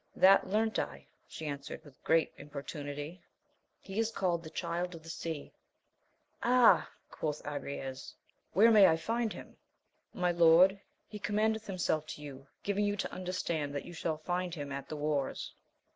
That learnt I, she answered, with great importunity. He is called the Ctild of the Sea. Ah 1 quoth Agrayes, where may I find him 1 — ^My lord, he commendeth himself to you, giving you to understand that you shall find him at the wars.